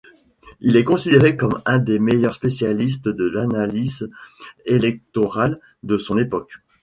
Il est considéré comme un des meilleurs spécialistes de l'analyse électorale de son époque.